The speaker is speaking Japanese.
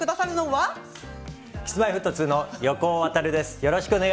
Ｋｉｓ−Ｍｙ−Ｆｔ２の横尾渉です。